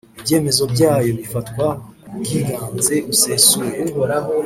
Ibyemezo byayo bifatwa ku bwiganze busesuye